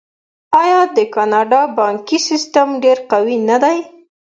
آیا د کاناډا بانکي سیستم ډیر قوي نه دی؟